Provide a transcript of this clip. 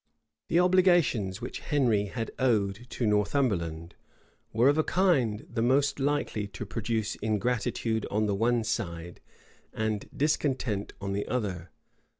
} The obligations which Henry had owed to Northumberland, were of a kind the most likely to produce ingratitude on the one side, and discontent on the other.